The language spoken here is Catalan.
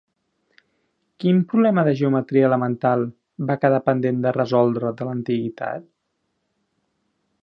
Quin problema de geometria elemental va quedar pendent de resoldre de l'antiguitat?